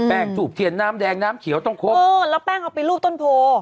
ถูกเทียนน้ำแดงน้ำเขียวต้องครบเออแล้วแป้งเอาไปรูปต้นโพ